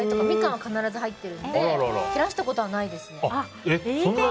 ミカンは必ず入っているので切らしたことはないですね。